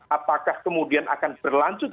apakah kemudian akan berlanjut